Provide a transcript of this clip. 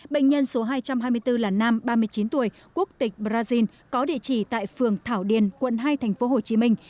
bệnh nhân số hai trăm hai mươi bốn là nam ba mươi chín tuổi quốc tịch brazil có địa chỉ tại phường thảo điền quận hai thành phố hồ chí minh